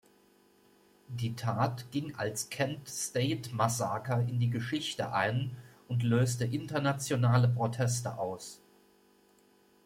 Die Tat ging als Kent-State-Massaker in die Geschichte ein und löste internationale Proteste aus.